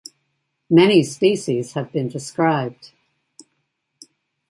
Many species have been described.